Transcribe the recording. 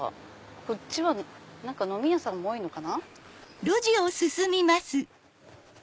こっちは飲み屋さんも多いのかな。